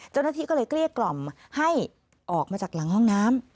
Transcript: เจ้าหน้าที่ก็เลยเกลี้ยกล่อมให้ออกมาจากหลังห้องน้ำ